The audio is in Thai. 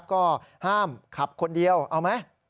ก็ห้ามขับคนเดียวเอาไหม